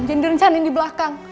jangan direncanain di belakang